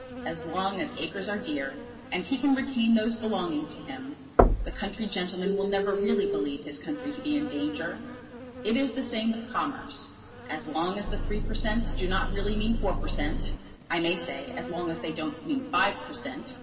As long as acres are dear, and he can retain those belonging to him, the country gentleman will never really believe his country to be in danger. It is the same with commerce. As long as the Three per Cents. do not really mean Four per Cent., I may say as long as they don't mean Five per Cent.